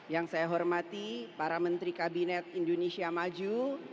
yang saya hormati para menteri kabinet indonesia maju